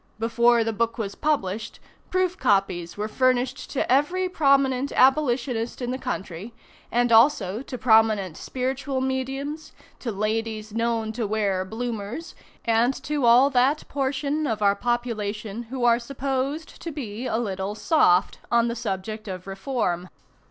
Before the book was published, proof copies were furnished to every prominent abolitionist in the country, and also to prominent spiritual mediums, to ladies known to wear Bloomers, and to all that portion of our population who are supposed to be a little "soft" on the subject of reform.